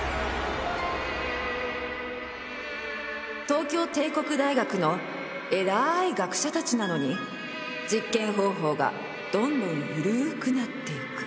東京帝国大学のえらい学者たちなのに実験方法がどんどんゆるくなっていく。